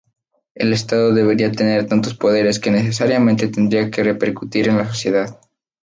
El estado debería tener tantos poderes que necesariamente tendría que repercutir en la sociedad.